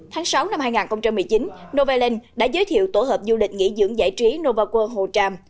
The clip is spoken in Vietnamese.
tháng sáu năm hai nghìn một mươi chín novaland đã giới thiệu tổ hợp du lịch nghỉ dưỡng giải trí novaworld hồ tràm